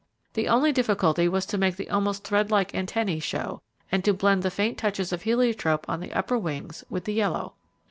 The only difficulty was to make the almost threadlike antennae show, and to blend the faint touches of heliotrope on the upper wings with the yellow.